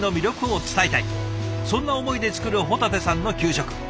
そんな思いで作る保立さんの給食。